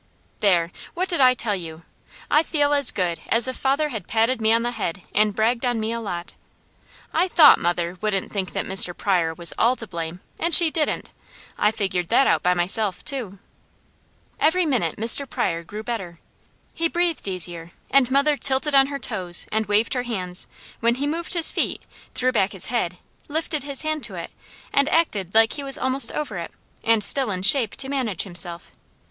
There! What did I tell you? I feel as good as if father had patted me on the head and bragged on me a lot. I THOUGHT mother wouldn't think that Mr. Pryor was ALL to blame, and she didn't. I figured that out by myself, too. Every minute Mr. Pryor grew better. He breathed easier, and mother tilted on her toes and waved her hands, when he moved his feet, threw back his head, lifted his hand to it, and acted like he was almost over it, and still in shape to manage himself.